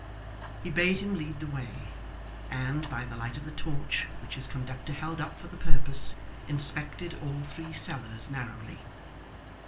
He bade him lead the way, and, by the light of the torch which his conductor held up for the purpose, inspected all three cellars narrowly.